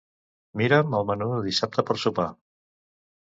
Mira'm el menú de dissabte per sopar.